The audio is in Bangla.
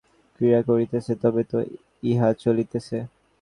ইহার পশ্চাতে মানুষের চেতনশক্তি ক্রিয়া করিতেছে, তবে তো ইহা চলিতেছে।